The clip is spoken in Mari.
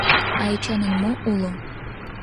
А Эчанын мо уло?